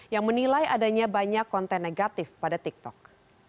yang menilai adanya banyak konten negatif pada tiktok